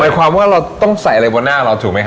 ความว่าเราต้องใส่อะไรบนหน้าเราถูกไหมฮ